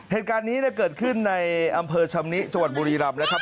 เหตุการณ์นี้เกิดขึ้นในอำเภอชำนิจังหวัดบุรีรำนะครับ